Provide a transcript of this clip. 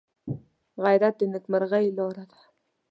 غیرت د نیکمرغۍ لاره ده